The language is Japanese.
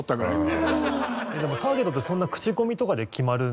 でもターゲットってそんなクチコミとかで決まるんですか？